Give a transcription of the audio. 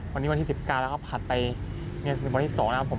วันนี้วันที่๑๙แล้วครับถัดไปวันที่๒นะครับผม